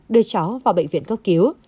đưa cháu vào bệnh viện cấp cứu